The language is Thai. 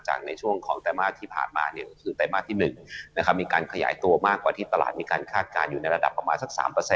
ในช่วงของไตรมาสที่ผ่านมาก็คือไตรมาสที่๑นะครับมีการขยายตัวมากกว่าที่ตลาดมีการคาดการณ์อยู่ในระดับประมาณสัก๓